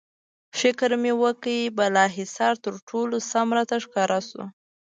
فکر مې وکړ، بالاحصار تر ټولو سم راته ښکاره شو.